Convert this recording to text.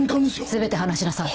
全て話しなさい。